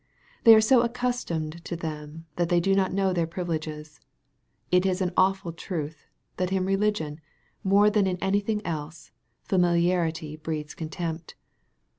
They are so accustomed to them, that they do not know their privileges. It is an awful truth, that in religion, more than in anything else, familiarity breeds contempt.